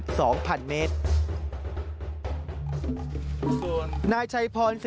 นายชัยภรษศิริภรไพบูรณ์ผู้เที่ยวชาญด้านถ้ำ